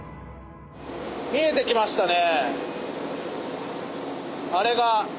見えてきましたね。